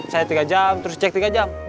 saya tiga jam terus cek tiga jam